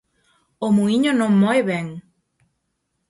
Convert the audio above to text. O muíño non moe ben